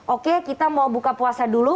oke kita mau buka puasa dulu